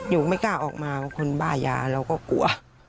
อยู่ไม่กล้าออกมาบางคนบ้ายาเราก็กลัว